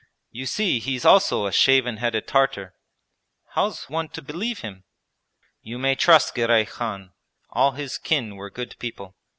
You see he's also a shaven headed Tartar how's one to believe him?' 'You may trust Girey Khan, all his kin were good people.